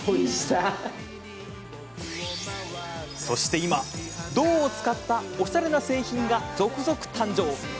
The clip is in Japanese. そして今、銅を使ったおしゃれな製品が続々誕生。